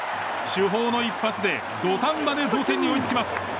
主砲の一発で土壇場で同点に追いつきます。